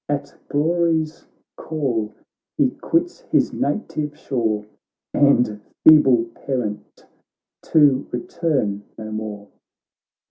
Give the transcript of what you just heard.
At glory's call he quits his native shore And feeble parent, to return no more.